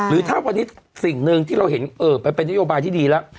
หรือถ้าสิ่งนึงที่เราเห็นเอ่อมันเป็นนโยบายที่ดีละ